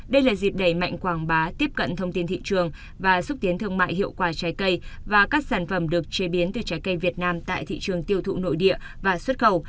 đây là dịp đẩy mạnh quảng bá tiếp cận thông tin thị trường và xúc tiến thương mại hiệu quả trái cây và các sản phẩm được chế biến từ trái cây việt nam tại thị trường tiêu thụ nội địa và xuất khẩu